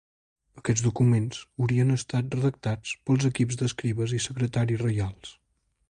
Aquests documents haurien estat redactats pels equips d'escribes i secretaris reials.